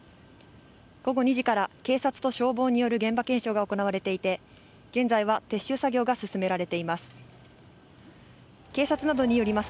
午後２時から警察と消防による現場検証が行われていて、現在は撤収作業が進められています。